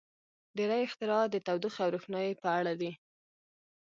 • ډېری اختراعات د تودوخې او روښنایۍ په اړه دي.